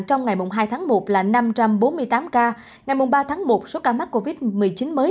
trong ngày hai tháng một là năm trăm bốn mươi tám ca ngày ba tháng một số ca mắc covid một mươi chín mới